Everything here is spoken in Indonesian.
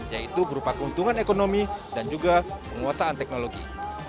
yaitu berupa keuntungan ekonomi dan juga penguasaan teknologi